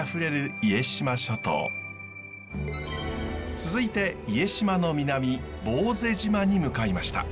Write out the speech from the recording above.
続いて家島の南坊勢島に向かいました。